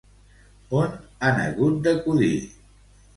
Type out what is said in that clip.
On han hagut d'acudir?